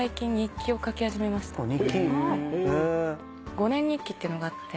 ５年日記っていうのがあって。